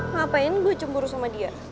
ngapain gue cemburu sama dia